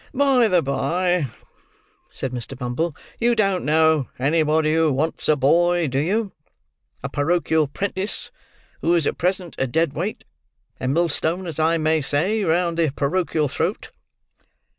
"By the bye," said Mr. Bumble, "you don't know anybody who wants a boy, do you? A porochial 'prentis, who is at present a dead weight; a millstone, as I may say, round the porochial throat?